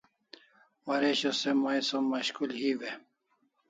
Waresho se mai som mashkul hiu e?